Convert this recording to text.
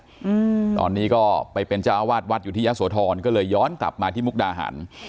อืมตอนนี้ก็ไปเป็นเจ้าอาวาสวัดอยู่ที่ยะโสธรก็เลยย้อนกลับมาที่มุกดาหาร